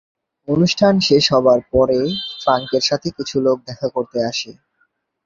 অনুষ্ঠান শেষ হবার পরে, ফ্রাঙ্কের সাথে কিছু লোক দেখা করতে আসে।